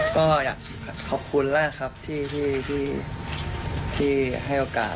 ก็อยากขอบคุณแรกครับที่ให้โอกาส